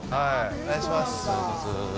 お願いします。